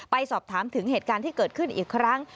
สอบถามถึงเหตุการณ์ที่เกิดขึ้นอีกครั้ง